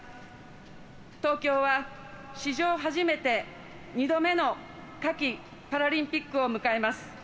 東京は史上初めて、２度目の夏季パラリンピックを迎えます。